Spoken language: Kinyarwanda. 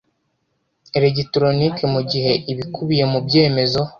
elegitoronike mu gihe ibikubiye mu byemezo